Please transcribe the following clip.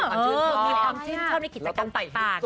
มีความชื่นชอบมีความชื่นชอบในกิจกรรมต่าง